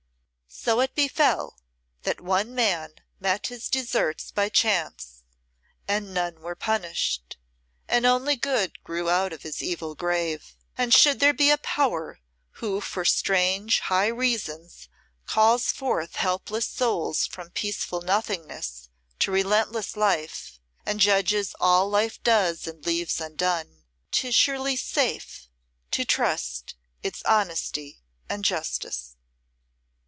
So it befel that one man met his deserts by chance, and none were punished, and only good grew out of his evil grave. And should there be a Power who for strange, high reasons calls forth helpless souls from peaceful Nothingness to relentless Life, and judges all Life does and leaves undone, 'tis surely sate to trust its honesty and justice.